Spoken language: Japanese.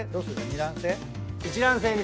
二卵性？